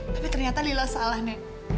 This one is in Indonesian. tapi ternyata nila salah nek